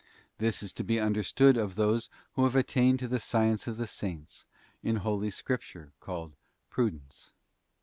'* This is to be understood of those who have attained to the Science of the Saints, in Holy Scripture called Prudence.